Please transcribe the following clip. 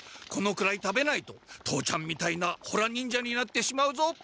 このくらい食べないと父ちゃんみたいなホラ忍者になってしまうぞ。